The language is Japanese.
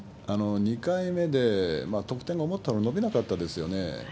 ２回目で得点がもっと伸びなかったですよね。